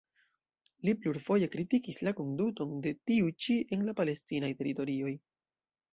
Li plurfoje kritikis la konduton de tiu ĉi en la palestinaj teritorioj.